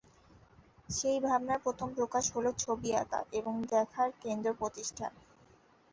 সেই ভাবনার প্রথম প্রকাশ হলো ছবি আঁকা এবং দেখার কেন্দ্র প্রতিষ্ঠা।